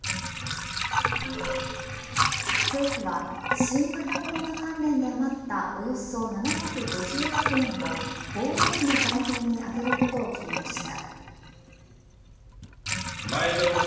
政府は新型コロナ関連で余った、およそ７５０億円を防衛費の財源に充てることを決めました。